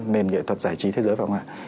nền nghệ thuật giải trí thế giới vào ngoài